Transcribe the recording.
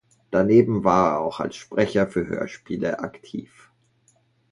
Daneben war er auch als Sprecher für Hörspiele aktiv.